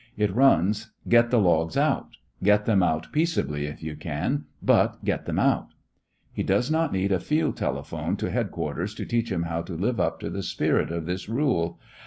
It runs, "Get the logs out. Get them out peaceably if you can, but get them out." He does not need a field telephone to headquarters to teach him how to live up to the spirit of this rule.